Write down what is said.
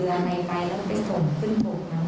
คุกมิ้วมานึกออกมั้ยเออแค่เล่น